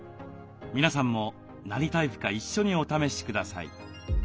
皆さんも何タイプか一緒にお試しください。